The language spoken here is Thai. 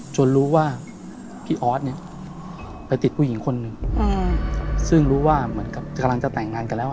จนรู้ว่าพี่ออสไปติดผู้หญิงคนหนึ่งซึ่งรู้ว่ากำลังจะแต่งงานกันแล้ว